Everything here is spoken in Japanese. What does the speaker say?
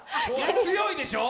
強いでしょう。